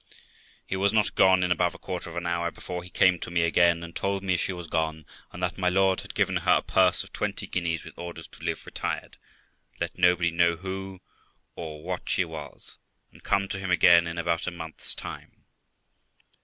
He was not gone in above a quarter of an hour before he came to me again, and told me she was gone, and that my lord had given her a purse of twenty guineas, with orders to live retired, let nobody know who or what she was, and come to him again in about a month's time.